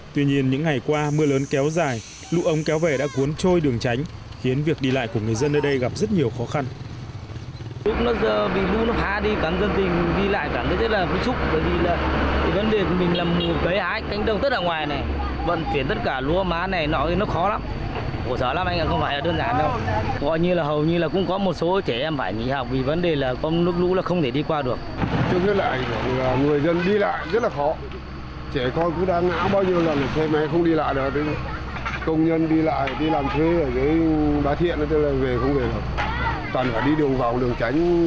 tuy nhiên những ngày qua mưa lớn tháng bảy năm hai nghìn một mươi sáu trụ giữa của cầu đã bị gãy